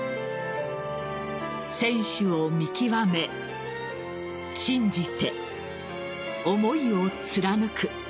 選手を見極め信じて思いを貫く。